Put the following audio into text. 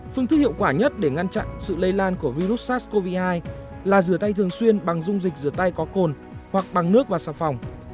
phương thức hiệu quả nhất để ngăn chặn sự lây lan của virus sars cov hai là rửa tay thường xuyên bằng dung dịch rửa tay có cồn hoặc bằng nước và sạp phòng